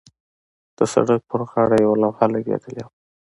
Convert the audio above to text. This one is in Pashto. د سړک پر غاړې یوه لوحه لګېدلې وه.